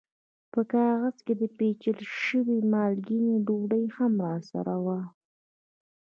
په کاغذ کې د پېچل شوې مالګینې ډوډۍ هم راسره وه.